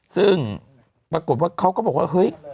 สึ่งปรากฎว่าเขาก็บอกว่า